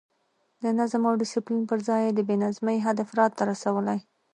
د نظم او ډسپلین پر ځای یې د بې نظمۍ حد افراط ته رسولی.